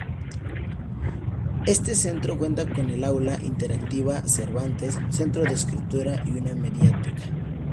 Éste Centro cuenta con el Aula Interactiva Cervantes, Centro de escritura y una Mediateca.